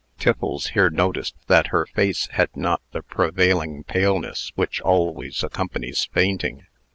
Tiffles here noticed that her face had not the prevailing paleness which always accompanies fainting.